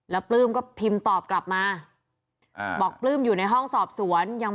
แล้วปลื้มก็พิมพ์ตอบกลับมาบอกปลื้มอยู่ในห้องสอบสวนยัง